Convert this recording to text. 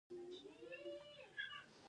پامیر د افغانستان د فرهنګي فستیوالونو برخه ده.